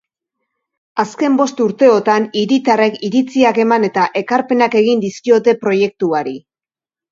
Azken bost urteotan hiritarrek iritziak eman eta ekarpenak egin dizkiote proiektuari.